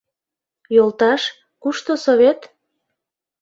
— Йолташ, кушто Совет?